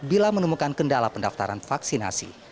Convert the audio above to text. bila menemukan kendala pendaftaran vaksinasi